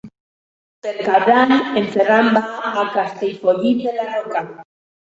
Per Cap d'Any en Ferran va a Castellfollit de la Roca.